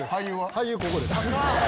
俳優ここです。